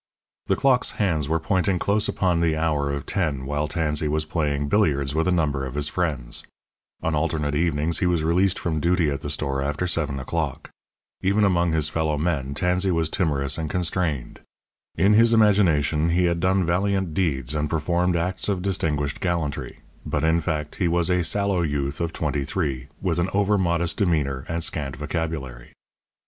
The clock's hands were pointing close upon the hour of ten while Tansey was playing billiards with a number of his friends. On alternate evenings he was released from duty at the store after seven o'clock. Even among his fellow men Tansey was timorous and constrained. In his imagination he had done valiant deeds and performed acts of distinguished gallantry; but in fact he was a sallow youth of twenty three, with an over modest demeanour and scant vocabulary.